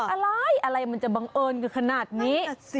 อะไรอะไรมันจะบังเอิญกันขนาดนี้